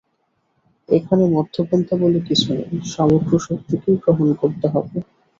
এখানে মধ্যপন্থা বলে কিছু নেই, সমগ্র শক্তিকেই গ্রহণ করতে হবে।